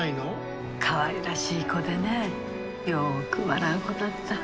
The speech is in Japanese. かわいらしい子でねよく笑う子だった。